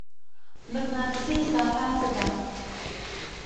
مقناطیسي ساحه څه ده؟